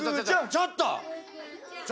ちょっと！